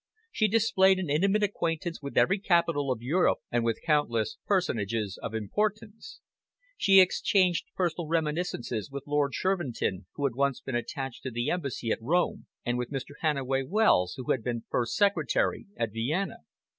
She displayed an intimate acquaintance with every capital of Europe and with countless personages of importance. She exchanged personal reminiscences with Lord Shervinton, who had once been attached to the Embassy at Rome, and with Mr. Hannaway Wells, who had been first secretary at Vienna.